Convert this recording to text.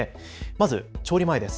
まず調理前です。